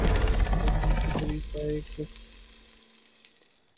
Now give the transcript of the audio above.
یہ پاکستان کی تاریخ کا ایک افسوسناک دن ہے